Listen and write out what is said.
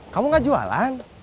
kamu gak jualan